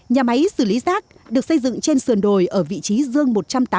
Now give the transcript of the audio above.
nhà máy xử lý rác được xây dựng trên sườn đồi ở vị trí dương một trăm tám mươi